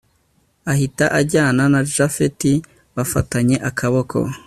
ahita ajyana na japhet bafatanye akaboko